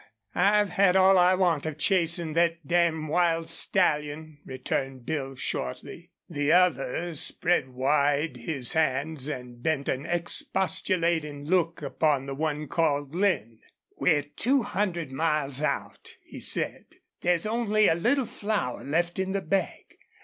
I've had all I want of chasin' thet damn wild stallion," returned Bill, shortly. The other spread wide his hands and bent an expostulating look upon the one called Lin. "We're two hundred miles out," he said. "There's only a little flour left in the bag.